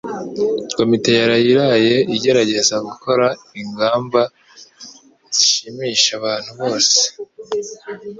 Komite yaraye iraye igerageza gukora ingamba zishimisha abantu bose.